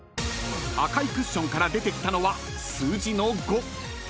［赤いクッションから出てきたのは数字の５］